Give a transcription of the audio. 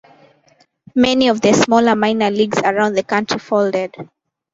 Many of the smaller minor leagues around the country folded.